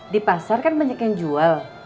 di pasar kan banyak yang jual